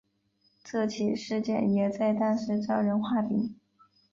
这起事件也在当时招人话柄。